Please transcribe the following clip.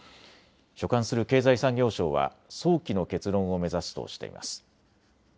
所管する経済産業省は早期の結論を目指すとしています。